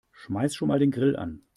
Schmeiß schon mal den Grill an.